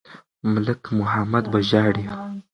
ملک محمد به ژاړي.